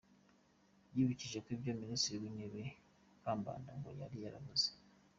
Yibukije ibyo Minisitiri w’Intebe Kambanda ngo yari yaravuze.